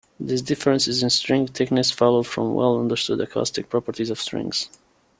These differences in string thickness follow from well-understood acoustic properties of strings.